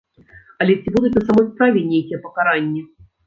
Але ці будуць на самой справе нейкія пакаранні?